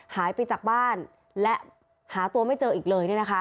หายไปจากบ้านและหาตัวไม่เจออีกเลย